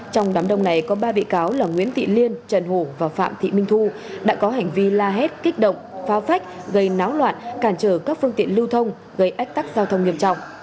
trong đám đông này có ba bị cáo là nguyễn thị liên trần hổ và phạm thị minh thu đã có hành vi la hét kích động phá vách gây náo loạn cản trở các phương tiện lưu thông gây ách tắc giao thông nghiêm trọng